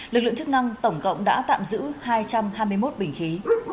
lực lượng chức năng tổng cộng đã tạm giữ hai trăm hai mươi một bình khí